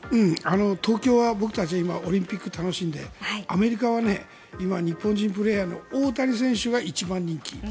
東京は僕たちは今、オリンピックを楽しんでアメリカは今日本人プレーヤーの大谷選手が一番人気。